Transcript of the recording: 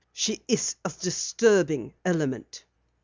She is a disturbing element."